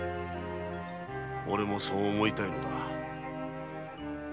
オレもそう思いたいのだ。